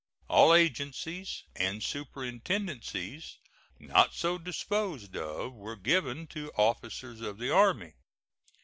All agencies and superintendencies not so disposed of were given to officers of the Army.